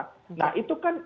nah itu kan